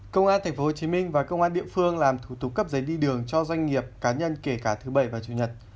công an tp hcm và công an địa phương làm thủ tục cấp giấy đi đường cho doanh nghiệp cá nhân kể cả thứ bảy và chủ nhật